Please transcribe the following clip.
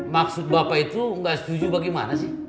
maksud bapak itu nggak setuju bagaimana sih